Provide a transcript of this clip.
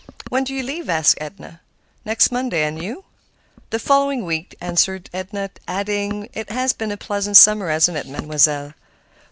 "When do you leave?" asked Edna. "Next Monday; and you?" "The following week," answered Edna, adding, "It has been a pleasant summer, hasn't it, Mademoiselle?"